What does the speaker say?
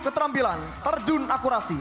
keterampilan terjun akurasi